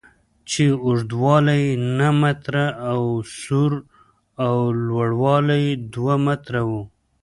چې اوږدوالی یې نهه متره او سور او لوړوالی یې دوه متره و.